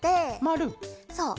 そう。